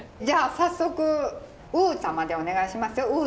じゃあ早速うー様でお願いしますよ